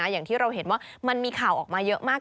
อย่างที่เราเห็นว่ามันมีข่าวออกมาเยอะมาก